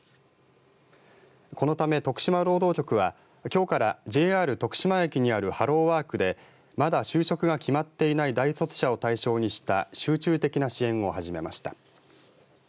このため、徳島労働局はきょうからＪＲ徳島駅にあるハローワークでまだ就職が決まっていない大卒者を対象にした集中的な支援を始めました。